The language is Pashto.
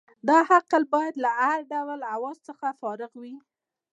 دا عقل باید له هر ډول هوس څخه فارغ وي.